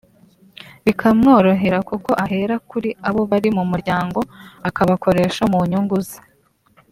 bikamworohera kuko ahera kuri abo bari mu muryango akabakoresha mu nyungu ze